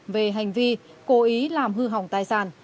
về hành vi cố ý làm hư hỏng tài sản